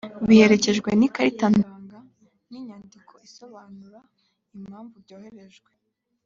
biherekejwe n ikarita ndanga n inyandiko isobanura impamvu byoherejwe